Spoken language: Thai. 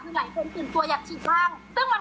เธอบอกว่าก็เข้าใจแหละว่ามันอาจจะมีผลค่าเคียงเกิดขึ้นได้บ้าง